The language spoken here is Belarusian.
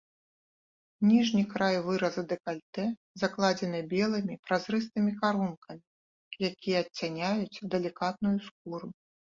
Ніжні край выраза дэкальтэ закладзены белымі празрыстымі карункамі, якія адцяняюць далікатную скуру.